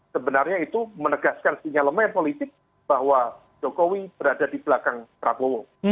sebenarnya itu menegaskan sinyal lemah yang politik bahwa jokowi berada di belakang prabowo